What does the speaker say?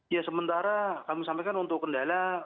ya sementara kami sampaikan untuk kendala